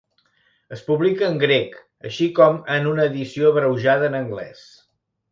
Es publica en grec, així com en una edició abreujada en anglès.